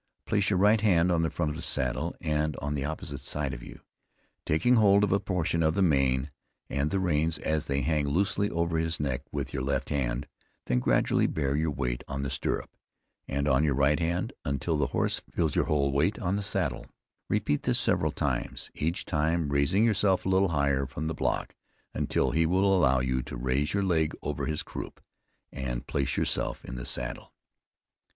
Place your right hand on the front of the saddle and on the opposite side of you. Taking hold of a portion of the mane and the reins as they hang loosely over his neck with your left hand; then gradually bear your weight on the stirrup, and on your right hand, until the horse feels your whole weight on the saddle; repeat this several times, each time raising yourself a little higher from the block, until he will allow you to raise your leg over his croop, and place yourself in the saddle.